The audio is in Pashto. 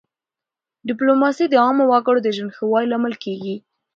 ډیپلوماسي د عامو وګړو د ژوند د ښه والي لامل کېږي.